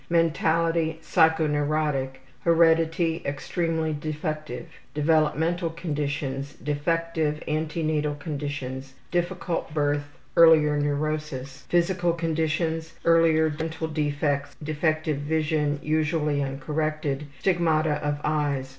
Mentality: Psychoneurotic. Case 20. Heredity: Extremely defective. Girl, age 16. Developmental conditions: Defective antenatal conditions. Difficult birth. Earlier neurosis. Physical conditions: Earlier dental defects. Defective vision, usually uncorrected. Stigmata of eyes.